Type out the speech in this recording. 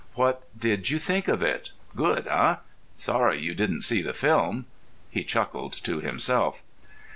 What did you think of it? Good, eh? Sorry you didn't see the film." He chuckled to himself.